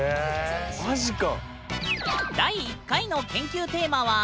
マジか！